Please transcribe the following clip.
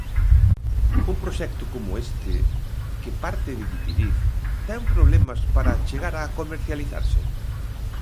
Un proxecto como este, que parte de Guitiriz, ten problemas para chegar a comercializarse?